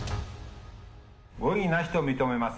ご異議なしと認めます。